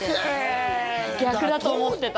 逆だと思ってた。